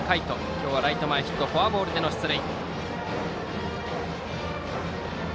今日はライト前ヒットとフォアボールでの出塁。